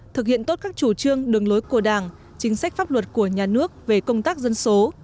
thực hiện tốt các chủ trương đường lối của đảng chính sách pháp luật của nhà nước về công tác dân số